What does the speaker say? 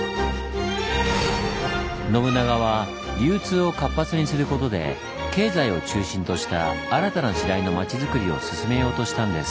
信長は流通を活発にすることで経済を中心とした新たな時代の町づくりを進めようとしたんです。